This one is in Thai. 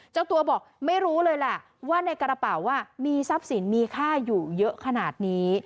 เจ้าตัวบอกไม่รู้เลยแหละว่าในกระเป๋ามีทรัพย์สินมีค่าอยู่เยอะขนาดนี้